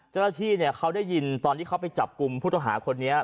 เจ้าหน้าที่เขาได้ยินตอนที่เขาไปจับกลุ่มผู้ต้องหาคนนี้